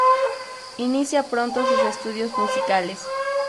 Inicia pronto sus estudios musicales.